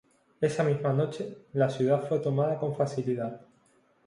Esa misma noche, la ciudad fue tomada con facilidad.